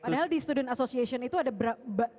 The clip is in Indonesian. padahal di student association itu ada berapa